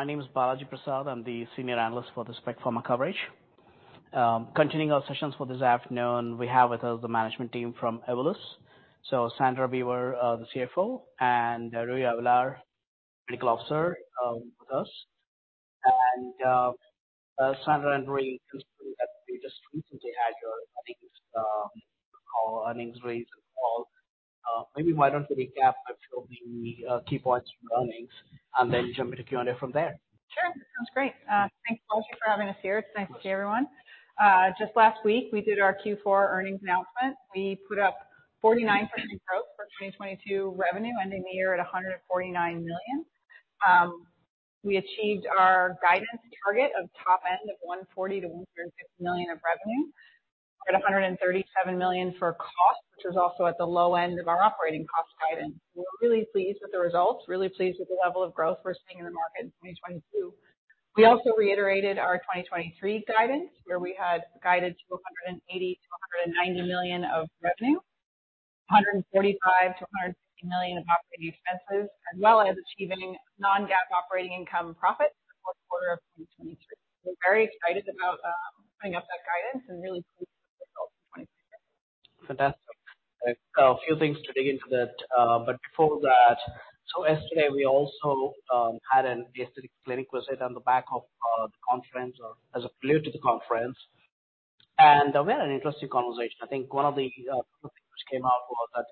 My name is Balaji Prasad. I'm the senior analyst for the Spec Pharma coverage. Continuing our sessions for this afternoon, we have with us the management team from Evolus. Sandra Beaver, the CFO, and Rui Avelar, Medical Officer, with us. Sandra and Rui, you just recently had your, I think it's, call earnings raise call. Maybe why don't you recap a few of the key points from earnings and then jump into Q&A from there. Sure. Sounds great. Thanks for having us here. It's nice to see everyone. Just last week, we did our Q4 earnings announcement. We put up 49% growth for 2022 revenue, ending the year at $149 million. We achieved our guidance target of top end of $140 million-$150 million of revenue. At $137 million for cost, which was also at the low end of our operating cost guidance. We're really pleased with the results, really pleased with the level of growth we're seeing in the market in 2022. We also reiterated our 2023 guidance, where we had guided to $180 million-$190 million of revenue, $145 million-$150 million of operating expenses, as well as achieving non-GAAP operating income profit for the fourth quarter of 2023. We're very excited about putting up that guidance and really pleased with the results in 2023. Fantastic. A few things to dig into that. Before that, yesterday we also had an aesthetic clinic visit on the back of the conference or as a prelude to the conference. We had an interesting conversation. I think one of the things which came out was that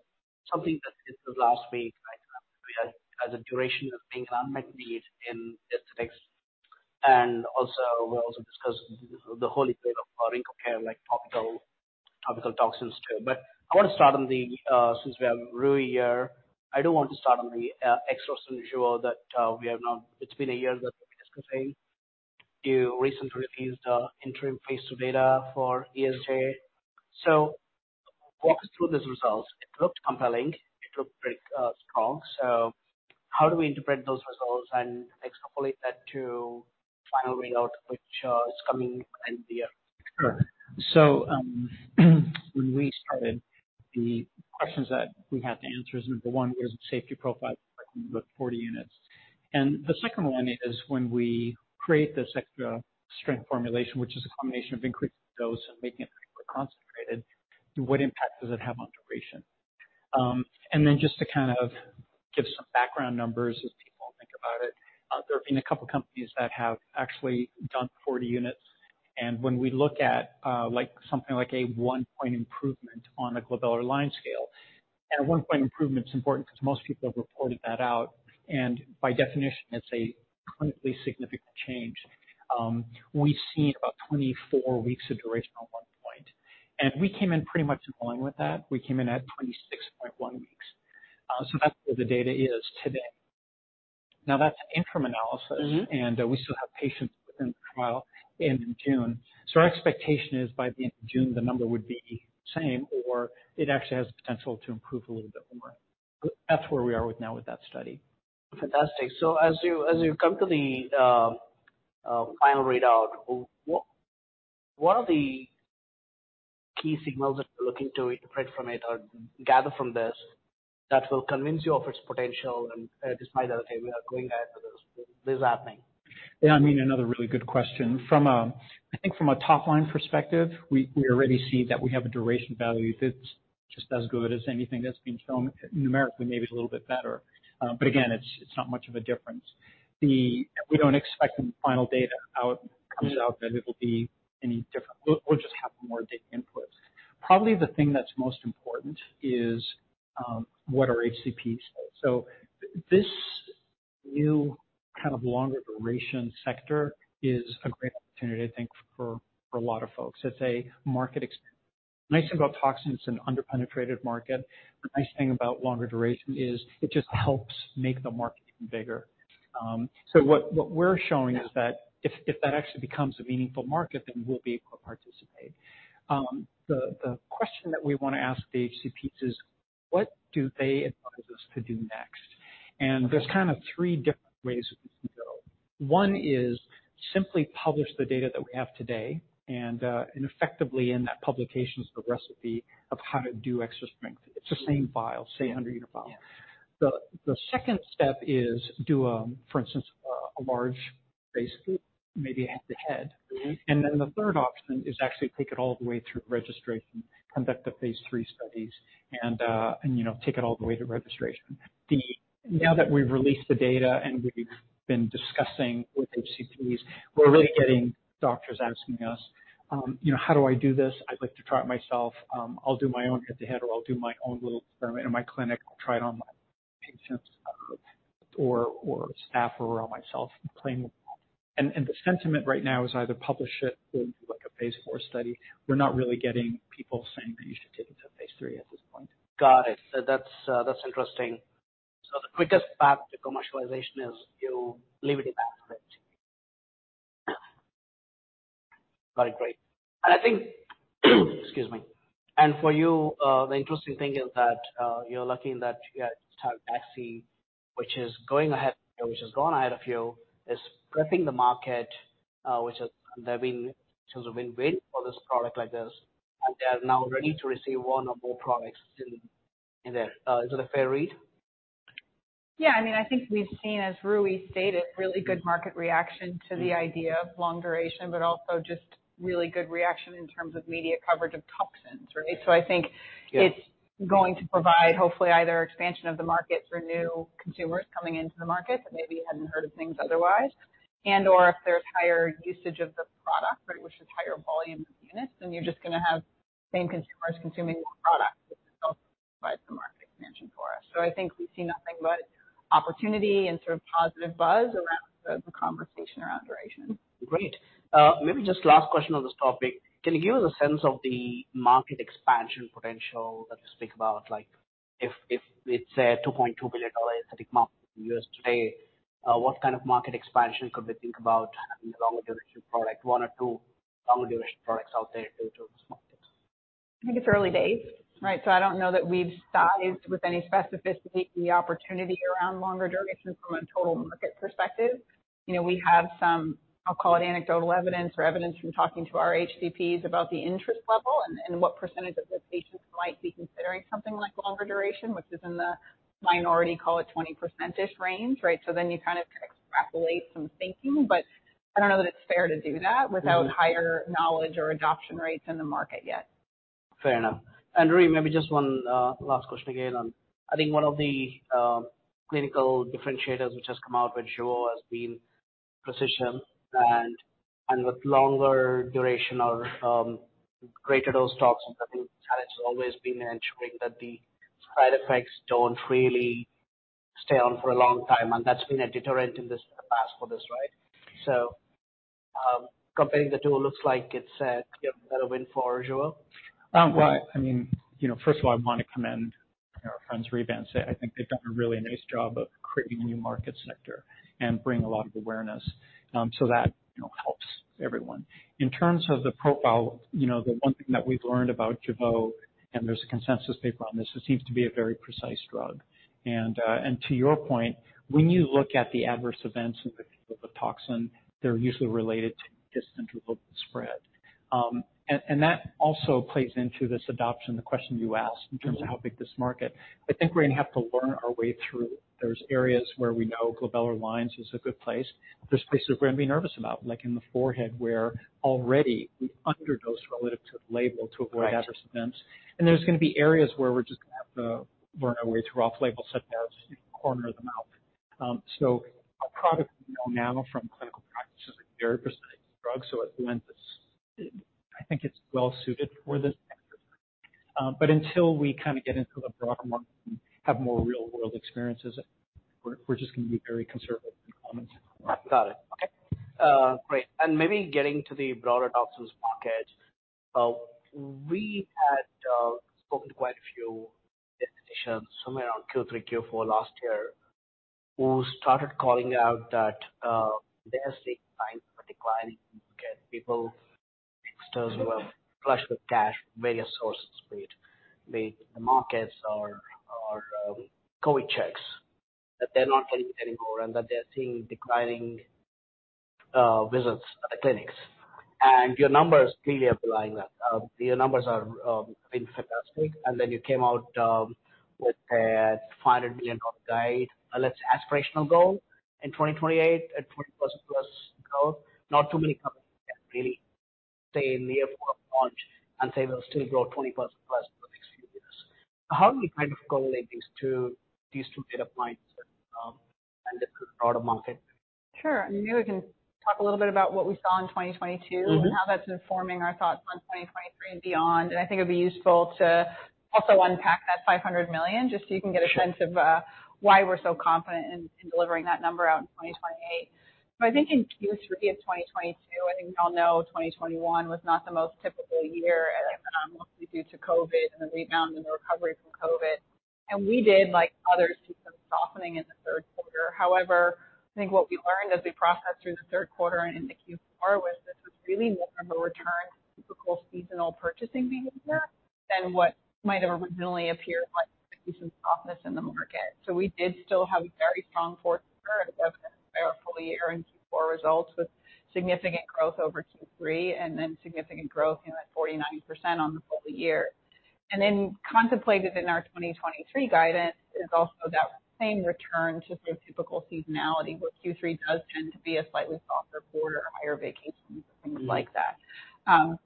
something that hit the last week, right, we had as a duration of being an unmet need in aesthetics. We also discussed the holy grail of wrinkle care, like topical toxins too. I want to start on the since we have Rui here, extra-strength duo that we have now. It's been a year that we've been discussing. You recently released the interim Phase II data for extra-strength. Walk us through these results. It looked compelling. It looked pretty strong. How do we interpret those results and extrapolate that to final readout, which is coming end of the year? When we started, the questions that we had to answer is, number one, where's the safety profile with 40 units? The second one is, when we create this extra-strength formulation, which is a combination of increasing dose and making it hyper-concentrated, what impact does it have on duration? Just to kind of give some background numbers as people think about it, there have been a couple companies that have actually done 40 units. When we look at something like a 1-point improvement on the Glabellar Line Scale, a 1-point improvement is important because most people have reported that out. By definition, it's a clinically significant change. We've seen about 24 weeks of duration on 1-point, we came in pretty much in line with that. We came in at 26.1 weeks. That's where the data is today. That's interim analysis. Mm-hmm. We still have patients within the trial end in June. Our expectation is by the end of June, the number would be same or it actually has potential to improve a little bit more. That's where we are with now with that study. Fantastic. As you come to the final readout, what are the key signals that you're looking to interpret from it or gather from this that will convince you of its potential and despite the other thing, we are going ahead with this happening? I mean, another really good question. From a top line perspective, we already see that we have a duration value that's just as good as anything that's been shown. Numerically, maybe it's a little bit better. Again, it's not much of a difference. We don't expect when the final data out, comes out that it'll be any different. We'll just have more data input. Probably the thing that's most important is what our HCPs say. This new kind of longer duration sector is a great opportunity, I think, for a lot of folks. It's a market. Nice thing about toxins, it's an under-penetrated market. The nice thing about longer duration is it just helps make the market even bigger. What we're showing is that if that actually becomes a meaningful market, then we'll be able to participate. The question that we want to ask the HCPs is, what do they advise us to do next? There's kind of three different ways we can go. One is simply publish the data that we have today and effectively in that publication is the recipe of how to do extra-strength. It's the same vial, same 100 unit vial. Yeah. The second step is for instance a large Phase II, maybe head-to-head. Mm-hmm. Then the third option is actually take it all the way through registration, conduct the Phase III studies and, you know, take it all the way to registration. Now that we've released the data and we've been discussing with HCPs, we're really getting doctors asking us, you know, "How do I do this? I'd like to try it myself. I'll do my own head-to-head, or I'll do my own little experiment in my clinic. I'll try it on my patients or staff or on myself." The sentiment right now is either publish it or do like a Phase IV study. We're not really getting people saying that you should take it to Phase III at this point. Got it. That's interesting. The quickest path to commercialization is you leave it in that thread. Yeah. Got it. Great. I think, excuse me. For you, the interesting thing is that, you're lucky in that you had Daxxify, which is going ahead, which has gone ahead of you, is prepping the market, patients have been waiting for this product like this, and they are now ready to receive one or more products in that, is that a fair read? Yeah. I mean, I think we've seen, as Rui stated, really good market reaction to the idea of long duration, but also just really good reaction in terms of media coverage of toxins, right? Yeah. It's going to provide, hopefully, either expansion of the market for new consumers coming into the market that maybe hadn't heard of things otherwise and/or if there's higher usage of the product, right, which is higher volume per unit, then you're just gonna have the same consumers consuming more product, which itself provides some market expansion for us. I think we see nothing but opportunity and sort of positive buzz around the conversation around duration. Great. Maybe just last question on this topic. Can you give us a sense of the market expansion potential that you speak about, like if it's a $2.2 billion aesthetic market in the U.S. today, what kind of market expansion could we think about having a longer duration product, one or two longer duration products out there due to this market? I think it's early days, right? I don't know that we've sized with any specificity the opportunity around longer durations from a total market perspective. You know, we have some, I'll call it anecdotal evidence or evidence from talking to our HCPs about the interest level and what percentage of the patients might be considering something like longer duration, which is in the minority, call it 20%-ish range, right? You kind of extrapolate some thinking, but I don't know that it's fair to do that. Mm-hmm. without higher knowledge or adoption rates in the market yet. Fair enough. Rui, maybe just one last question again on. I think one of the clinical differentiators which has come out with Jeuveau has been precision and with longer duration of greater dose toxins, I think it's always been ensuring that the side effects don't really stay on for a long time, and that's been a deterrent in the past for this, right? Comparing the two, it looks like it's, you know, a better win for Jeuveau. Well, I mean, you know, first of all, I want to commend our friends at Revance. I think they've done a really nice job of creating a new market sector and bring a lot of awareness, so that, you know, helps everyone. In terms of the profile, you know, the one thing that we've learned about Jeuveau, and there's a consensus paper on this, it seems to be a very precise drug. To your point, when you look at the adverse events with the toxin, they're usually related to distant spread. That also plays into this adoption, the question you asked in terms of how big this market. I think we're going to have to learn our way through. There's areas where we know glabellar lines is a good place. There's places we're gonna be nervous about, like in the forehead, where already we underdose relative to the label. Right. adverse events. There's gonna be areas where we're just gonna have to work our way through off-label set downs in the corner of the mouth. Our product, we know now from clinical practice, is a very precise drug. I think it's well suited for this type of drug. Until we kind of get into the broader market and have more real-world experiences, we're just gonna be very conservative in comments. Got it. Okay. Great. Maybe getting to the broader toxins market, we had spoken to quite a few practitioners somewhere around Q3, Q4 last year who started calling out that they are seeing signs of a decline in the market. People, investors who are flush with cash, various sources for it, be it the markets or, COVID checks, that they're not coming in anymore, and that they're seeing declining visits at the clinics. Your numbers clearly are belying that. Your numbers are been fantastic. You came out with a $500 million guide, a less aspirational goal in 2028 at 20%+ growth. Not too many companies can really say in the year of launch and say they'll still grow 20%+ for the next few years. How do you kind of correlate these 2 data points, and the broader market? Sure. I mean, maybe we can talk a little bit about what we saw in 2022. Mm-hmm. How that's informing our thoughts on 2023 and beyond. I think it'd be useful to also unpack that $500 million, just so you can get a sense of why we're so confident in delivering that number out in 2028. I think in Q3 of 2022, I think we all know 2021 was not the most typical year, mostly due to COVID and the rebound and the recovery from COVID. We did, like others, see some softening in the third quarter. However, I think what we learned as we processed through the third quarter and into Q4 was this was really more of a return to typical seasonal purchasing behavior than what might have originally appeared like a decent softness in the market. We did still have a very strong 4th quarter, and as I fully earned Q4 results with significant growth over Q3 and then significant growth, you know, at 49% on the full year. Contemplated in our 2023 guidance is also that same return to sort of typical seasonality, where Q3 does tend to be a slightly softer quarter, higher vacations and things like that.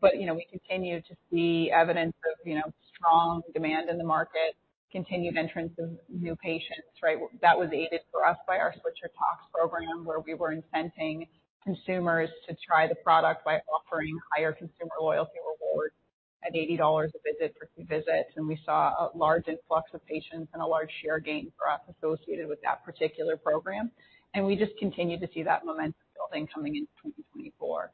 We continue to see evidence of, you know, strong demand in the market, continued entrance of new patients, right? That was aided for us by our Switch Your Tox program, where we were incenting consumers to try the product by offering higher consumer loyalty rewards at $80 a visit for two visits. We saw a large influx of patients and a large share gain for us associated with that particular program. We just continue to see that momentum building coming into 2024.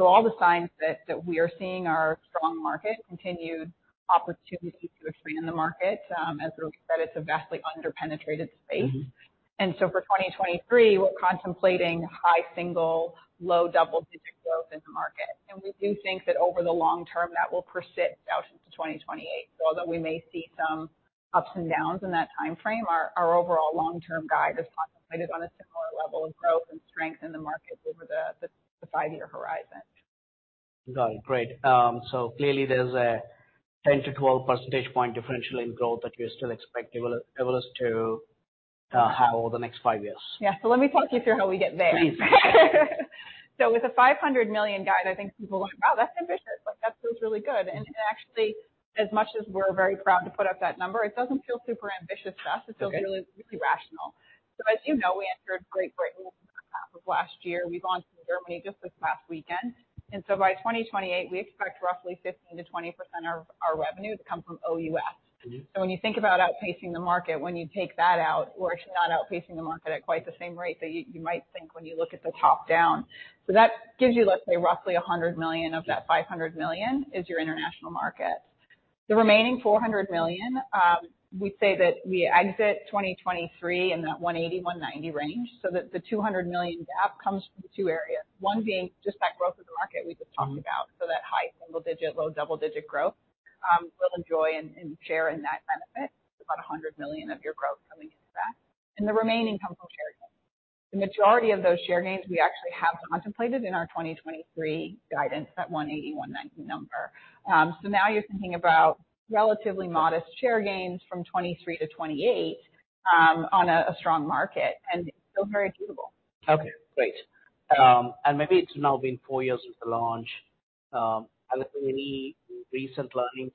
All the signs that we are seeing are strong market, continued opportunity to expand the market. As Rui said, it's a vastly under-penetrated space. Mm-hmm. For 2023, we're contemplating high single, low double-digit growth in the market. We do think that over the long term, that will persist out into 2028. Although we may see some ups and downs in that timeframe, our overall long-term guide is contemplated on a similar level of growth and strength in the market over the five-year horizon. Got it. Great. clearly there's a 10 to 12 percentage point differential in growth that you still expect Evolus to have over the next five years. Yeah. Let me talk you through how we get there. Please. With the $500 million guide, I think people are like, "Wow, that's ambitious, but that feels really good." Actually, as much as we're very proud to put up that number, it doesn't feel super ambitious to us. Okay. It feels really rational. As you know, we entered Great Britain of last year. We launched in Germany just this last weekend. By 2028 we expect roughly 15%-20% of our revenue to come from OUS. Mm-hmm. When you think about outpacing the market, when you take that out, we're actually not outpacing the market at quite the same rate that you might think when you look at the top down. That gives you, let's say, roughly $100 million of that $500 million is your international market. The remaining $400 million, we say that we exit 2023 in that $180 million-$190 million range. The $200 million gap comes from two areas. One being just that growth of the market we just talked about. Mm-hmm. That high single digit, low double digit growth, we'll enjoy and share in that benefit. About $100 million of your growth coming into that. The remaining comes from share gains. The majority of those share gains we actually have contemplated in our 2023 guidance, that $180 million-$190 million number. Now you're thinking about relatively modest share gains from 2023-2028 on a strong market, and it's still very achievable. Okay, great. Maybe it's now been four years since the launch. Are there any recent learnings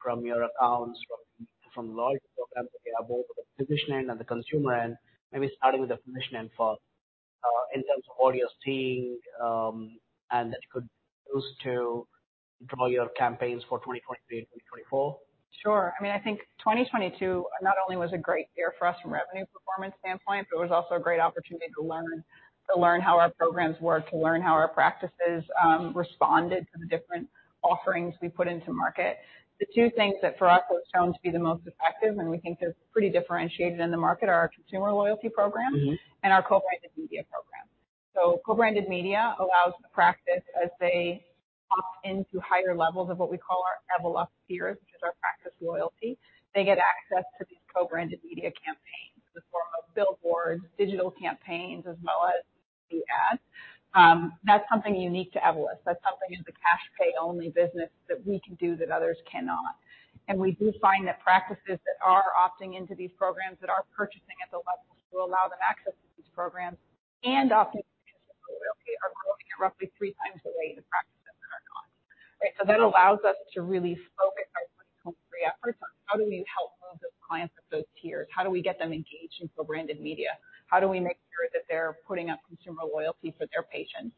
from your accounts, from loyalty programs both at the physician end and the consumer end? Maybe starting with the physician end for in terms of all you're seeing, and that you could use to drive your campaigns for 2023 and 2024. Sure. I mean, I think 2022 not only was a great year for us from revenue performance standpoint, but it was also a great opportunity to learn. To learn how our programs work, to learn how our practices responded to the different offerings we put into market. The two things that for us have shown to be the most effective, and we think they're pretty differentiated in the market, are our consumer loyalty programs- Mm-hmm. -and our co-branded media program. co-branded media allows the practice as they opt into higher levels of what we call our Evolus Rewards, which is our practice loyalty. They get access to these co-branded media campaigns in the form of billboards, digital campaigns, as well as TV ads. That's something unique to Evolus. That's something as the cash pay only business that we can do that others cannot. We do find that practices that are opting into these programs, that are purchasing at the levels to allow them access to these programs and opting into consumer loyalty are growing at roughly 3x the rate of practices that are not. Right. That allows us to really focus our 2023 efforts on how do we help move those clients up those tiers? How do we get them engaged in co-branded media? How do we make sure that they're putting up consumer loyalty for their patients?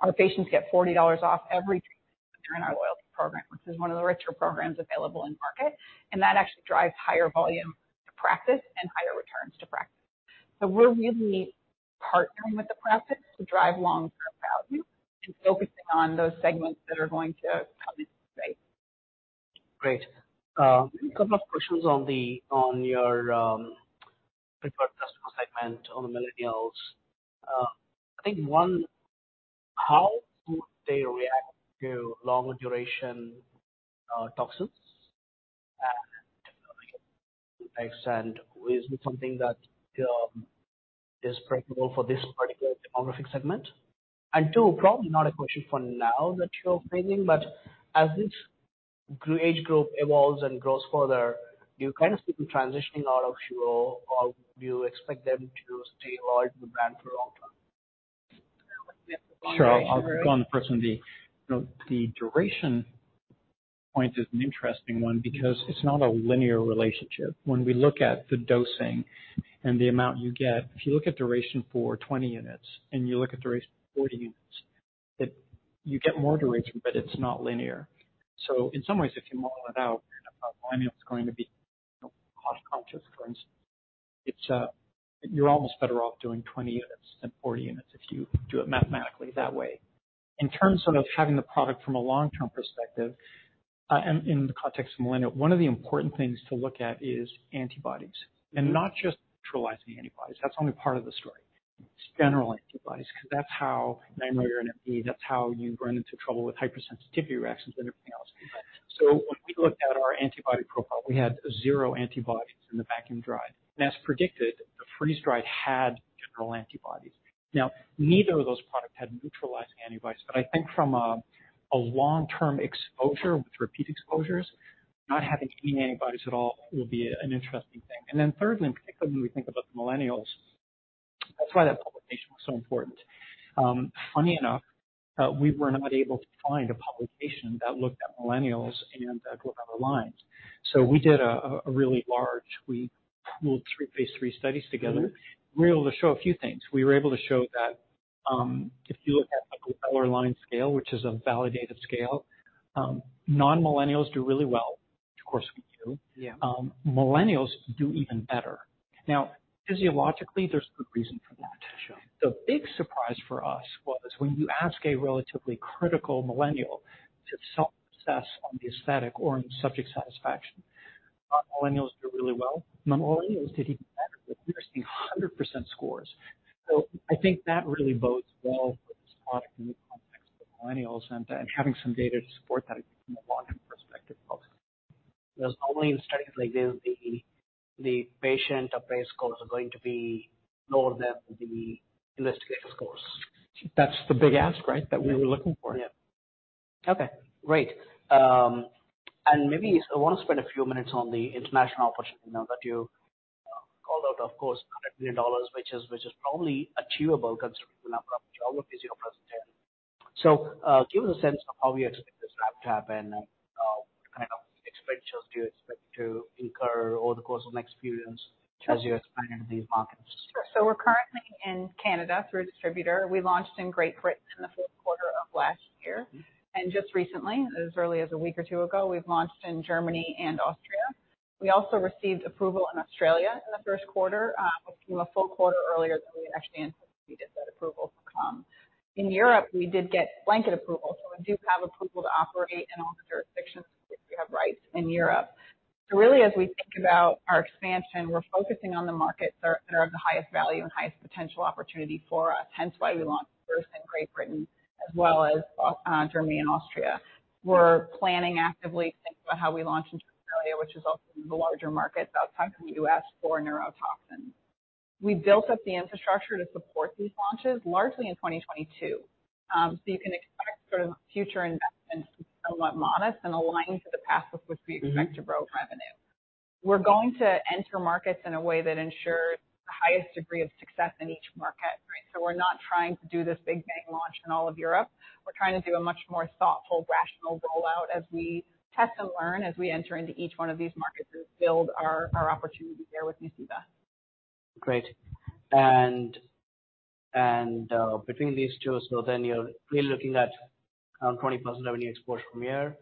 Our patients get $40 off every treatment through our loyalty program, which is one of the richer programs available in market. That actually drives higher volume to practice and higher returns to practice. We're really partnering with the practice to drive long-term value and focusing on those segments that are going to come in today. Great. Couple of questions on your preferred customer segment on the millennials. I think one, how would they react to longer duration toxins? Like I said, is it something that is practical for this particular demographic segment? two, probably not a question for now that you're planning, but as this age group evolves and grows further, do you kind of see them transitioning out of Jeuveau, or do you expect them to stay loyal to the brand for a long time? Sure. I'll go on the first one. The, you know, the duration point is an interesting one because it's not a linear relationship. When we look at the dosing and the amount you get, if you look at duration for 20 units and you look at duration for 40 units, you get more duration, but it's not linear. In some ways, if you model it out, you end up finding out it's going to be cost conscious, for instance. You're almost better off doing 20 units than 40 units if you do it mathematically that way. In terms of having the product from a long-term perspective, and in the context of millennial, one of the important things to look at is antibodies. Not just neutralizing antibodies, that's only part of the story. It's general antibodies, 'cause that's how 900 kDa, that's how you run into trouble with hypersensitivity reactions and everything else. Right. When we looked at our antibody profile, we had zero antibodies in the vacuum-dried. As predicted, the freeze-dried had general antibodies. Now, neither of those products had neutralizing antibodies. I think from a long-term exposure with repeat exposures, not having any antibodies at all will be an interesting thing. Thirdly, and particularly when we think about the millennials, that's why that publication was so important. Funny enough, we were not able to find a publication that looked at millennials and at glabellar lines. We did a really large, we pooled three Phase III studies together. Mm-hmm. We were able to show a few things. We were able to show that, if you look at the Glabellar Line Scale, which is a validated scale, non-millennials do really well. Which of course we do. Yeah. Millennials do even better. Now, physiologically, there's good reason for that. Sure. The big surprise for us was when you ask a relatively critical millennial to self-assess on the aesthetic or on subject satisfaction, non-millennials do really well. Millennials did even better, with nearly 100% scores. I think that really bodes well for this product in the context of millennials and having some data to support that from a long-term perspective helps. Only in studies like this the patient-applied scores are going to be lower than the investigator scores. That's the big ask, right? That we were looking for. Yeah. Okay, great. Maybe I want to spend a few minutes on the international opportunity now that you called out, of course, $100 million, which is probably achievable considering. Give us a sense of how we expect this ramp to happen. What kind of expenditures do you expect to incur over the course of the next few years as you expand into these markets? We're currently in Canada through a distributor. We launched in Great Britain in the fourth quarter of last year. Just recently, as early as a week or two ago, we've launched in Germany and Austria. We also received approval in Australia in the first quarter, which came a full quarter earlier than we had actually anticipated that approval to come. In Europe, we did get blanket approval, so we do have approval to operate in all the jurisdictions we have rights in Europe. Really, as we think about our expansion, we're focusing on the markets that are of the highest value and highest potential opportunity for us. Hence why we launched first in Great Britain as well as Germany and Austria. We're planning actively to think about how we launch in Australia, which is also the larger market outside of the U.S. for neurotoxin. We built up the infrastructure to support these launches largely in 2022. You can expect sort of future investments to be somewhat modest and aligned to the path with which we expect to grow revenue. We're going to enter markets in a way that ensures the highest degree of success in each market, right? We're not trying to do this big bang launch in all of Europe. We're trying to do a much more thoughtful, rational rollout as we test and learn as we enter into each one of these markets and build our opportunity there with Nuceiva. Great. Between these two, you're really looking at around 20% revenue export from here.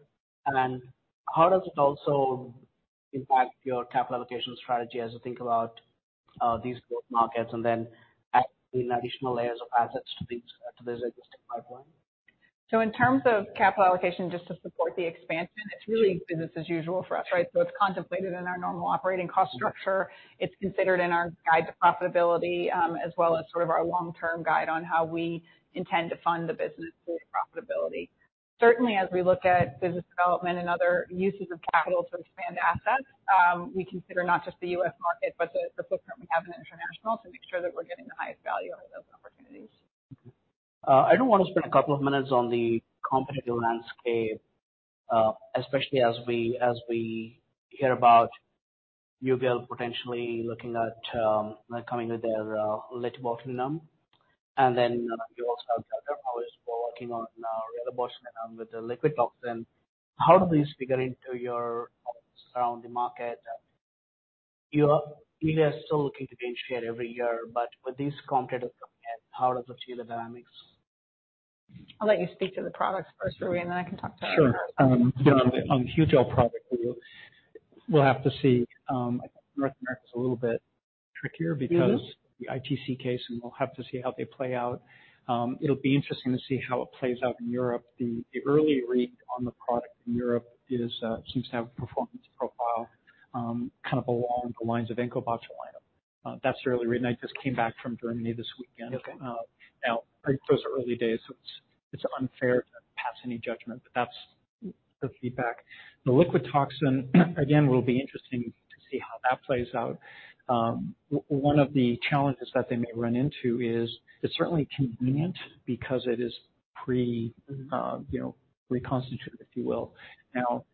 How does it also impact your capital allocation strategy as you think about these growth markets and then adding additional layers of assets to these, to this existing pipeline? In terms of capital allocation just to support the expansion, it's really business as usual for us, right? It's contemplated in our normal operating cost structure. It's considered in our guide to profitability, as well as sort of our long-term guide on how we intend to fund the business through profitability. Certainly, as we look at business development and other uses of capital to expand assets, we consider not just the U.S. market, but the footprint we have in international to make sure that we're getting the highest value out of those opportunities. I do want to spend a couple of minutes on the competitive landscape, especially as we hear about Hugel potentially looking at, coming with their Letybo. You also have Galderma who are working on a botulinum with a liquid toxin. How do these figure into your thoughts around the market? You guys are still looking to gain share every year, but with these competitors coming in, how does it change the dynamics? I'll let you speak to the products first, Rui Avelar, and then I can talk to- Sure. On the Hugel product, we'll have to see. North America's a little bit trickier because. Mm-hmm. The ITC case, we'll have to see how they play out. It'll be interesting to see how it plays out in Europe. The early read on the product in Europe is, seems to have a performance profile, kind of along the lines of incobotulinumtoxinA. That's the early read. I just came back from Germany this weekend. Okay. Now those are early days. It's unfair to pass any judgment, but that's the feedback. The liquid toxin, again, will be interesting to see how that plays out. One of the challenges that they may run into is it's certainly convenient because it is pre, you know, reconstituted, if you will. Now,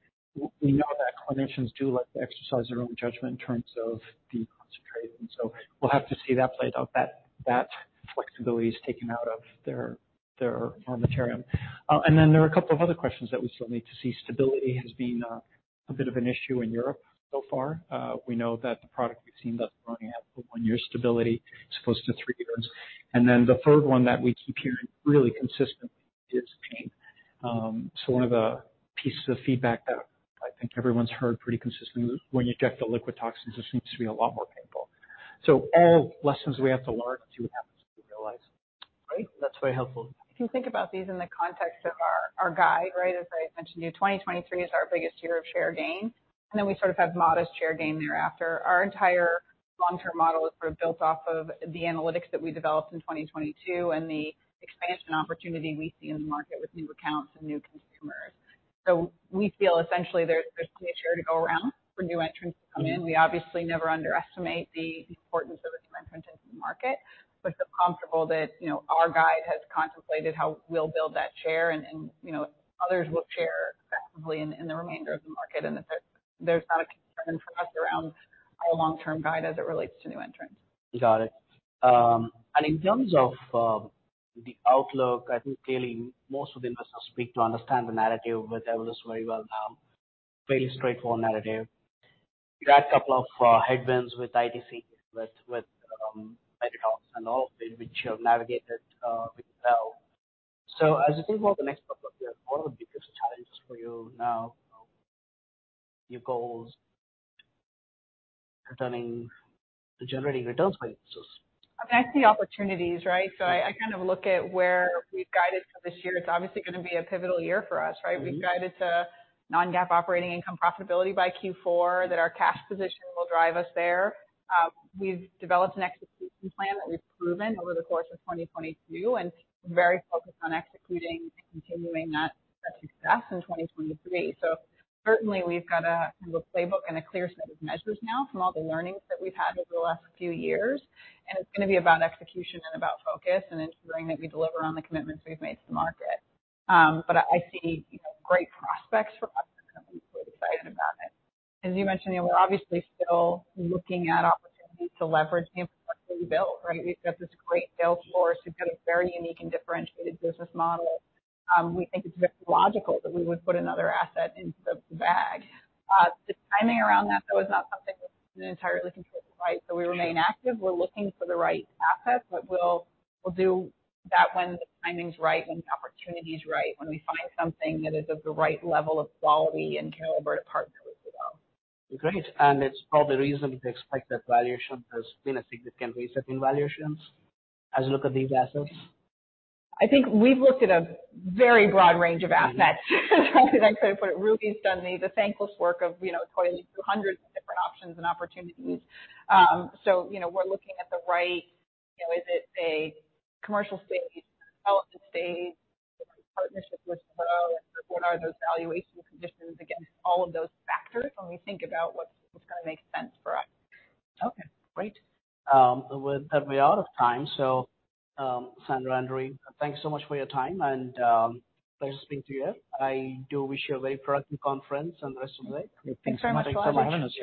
we know that clinicians do like to exercise their own judgment in terms of the concentrate, and so we'll have to see that played out, that flexibility is taken out of their formulary. Then there are a couple of other questions that we still need to see. Stability has been a bit of an issue in Europe so far. We know that the product we've seen thus far only has a one-year stability as opposed to three years. The third one that we keep hearing really consistently is pain. One of the pieces of feedback that I think everyone's heard pretty consistently, when you get the liquid toxins, it seems to be a lot more painful. All lessons we have to learn and see what happens in real life. Great. That's very helpful. If you think about these in the context of our guide, right? As I mentioned to you, 2023 is our biggest year of share gain, and then we sort of have modest share gain thereafter. Our entire long-term model is sort of built off of the analytics that we developed in 2022 and the expansion opportunity we see in the market with new accounts and new consumers. We feel essentially there's plenty of share to go around for new entrants to come in. We obviously never underestimate the importance of a new entrant into the market. We feel comfortable that, you know, our guide has contemplated how we'll build that share and, you know, others will share effectively in the remainder of the market. That there's not a concern for us around our long-term guide as it relates to new entrants. Got it. In terms of the outlook, I think clearly most of the investors speak to understand the narrative with Evolus very well now. Fairly straightforward narrative. You had a couple of headwinds with ITC, with Medytox and all of it, which you have navigated very well. As you think about the next couple of years, what are the biggest challenges for you now? Your goals concerning generating returns for investors. I mean, I see opportunities, right? I kind of look at where we've guided for this year. It's obviously gonna be a pivotal year for us, right? Mm-hmm. We've guided to non-GAAP operating income profitability by Q4, that our cash position will drive us there. We've developed an execution plan that we've proven over the course of 2022 and very focused on executing and continuing that success in 2023. Certainly we've got a, kind of a playbook and a clear set of measures now from all the learnings that we've had over the last few years. It's gonna be about execution and about focus and ensuring that we deliver on the commitments we've made to the market. I see, you know, great prospects for us, and we're excited about it. As you mentioned, you know, we're obviously still looking at opportunities to leverage the infrastructure we built, right? We've got this great sales force. We've got a very unique and differentiated business model. We think it's very logical that we would put another asset into the bag. The timing around that, though, is not something that's been entirely controlled, right? We remain active. We're looking for the right asset, but we'll do that when the timing's right, when the opportunity's right, when we find something that is of the right level of quality and calibrated partner with as well. Great. It's probably reasonable to expect that valuation has been a significant reset in valuations as you look at these assets? I think we've looked at a very broad range of assets. How could I put it? Rui's done the thankless work of, you know, toiling through hundreds of different options and opportunities. you know, we're looking at the right, you know, is it a commercial stage, development stage, different partnerships with. Okay. What are those valuation conditions against all of those factors when we think about what's gonna make sense for us. Okay, great. With that we are out of time. Sandra and Rui, thanks so much for your time, and pleasure speaking to you. I do wish you a very productive conference and the rest of the day. Thanks very much. Thanks for having us.